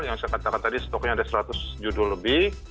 yang saya katakan tadi stoknya ada seratus judul lebih